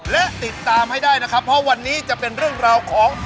และติดตามให้ได้นะครับเพราะวันนี้จะเป็นเรื่องราวของ